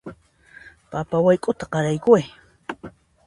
Papa wayk'uta qaraykuway